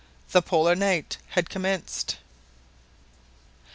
The Polar night had commenced!